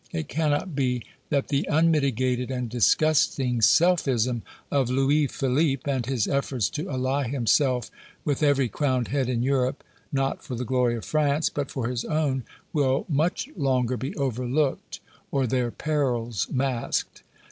It cannot be that the unmitigated and disgusting selfism of Louis Philippe, and his efforts to ally himself with every crowned head in Europe not for the glory of France, but for his own will much longer be overlooked or their perils masked.